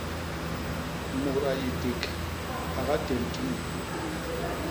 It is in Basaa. Mut a yé ték, a gatémb ki mu.